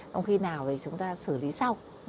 trong khi nào thì chúng ta xử lý sau